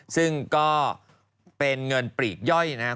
ซึ่งก็เป็นเงินปลีกย่อยนะครับ